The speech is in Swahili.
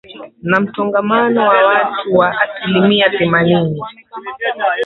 na msongamano wa watu wa asilimia themanini